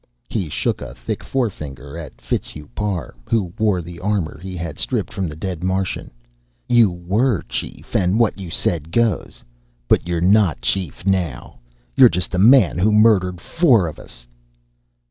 He shook a thick forefinger at Fitzhugh Parr, who wore the armor he had stripped from the dead Martian. "You were chief, and what you said goes. But you're not chief now you're just the man who murdered four of us!"